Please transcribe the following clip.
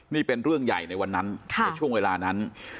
นี่เป็นเรื่องใหญ่ในวันนั้นในช่วงเวลานั้น